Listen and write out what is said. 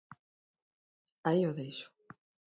Aí o deixo.